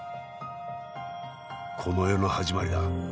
この世の始まりだ。